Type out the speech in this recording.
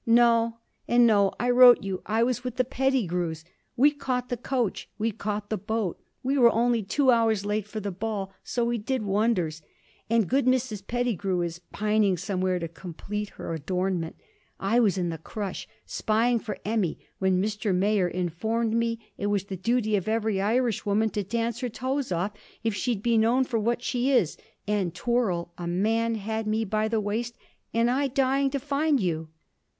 No and no. I wrote you I was with the Pettigrews. We caught the coach, we caught the boat, we were only two hours late for the Ball; so we did wonders. And good Mrs. Pettigrew is, pining somewhere to complete her adornment. I was in the crush, spying for Emmy, when Mr. Mayor informed me it was the duty of every Irishwoman to dance her toes off, if she 'd be known for what she is. And twirl! a man had me by the waist, and I dying to find you.'